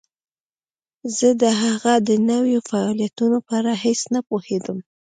زه د هغه د نویو فعالیتونو په اړه هیڅ نه پوهیدم